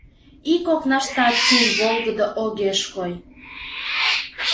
Ик окнаштат тул волгыдо огеш кой.